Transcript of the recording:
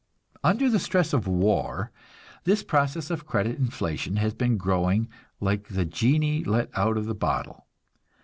Under the stress of war, this process of credit inflation has been growing like the genii let out of the bottle.